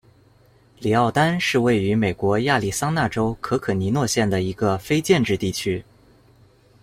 里奥丹是位于美国亚利桑那州可可尼诺县的一个非建制地区。